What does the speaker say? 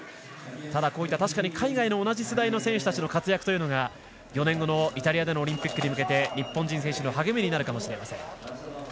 ただ確かに海外の同じ世代の選手たちの活躍が４年後のイタリアでのオリンピックに向けて日本人選手の励みになるかもしれません。